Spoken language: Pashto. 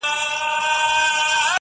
چي ټولنه لا هم له ژورو ستونزو سره مخ ده-